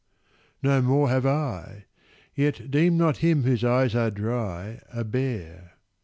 No more have I. Yet deem not him whose eyes are dry A bear.